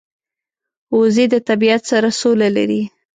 وزې د طبیعت سره سوله لري